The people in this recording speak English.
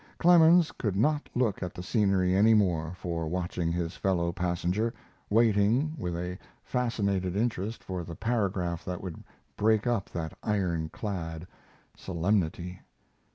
Clemens could not look at the scenery any more for watching his fellow passenger, waiting with a fascinated interest for the paragraph that would break up that iron clad solemnity.